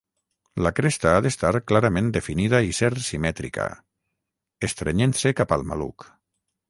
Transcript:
La cresta ha d'estar clarament definida i ser simètrica, estrenyent-se cap al maluc.